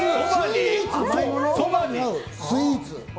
そばに合うスイーツ